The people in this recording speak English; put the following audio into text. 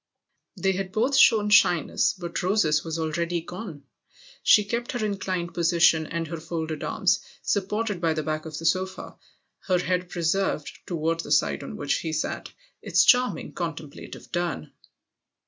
They had both shown shyness, but Rose's was already gone. She kept her inclined position and her folded arms ; supported by the back of the sofa, icr head preserved, toward the side on which he >at, its charming contemplative turn.